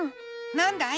なんだい？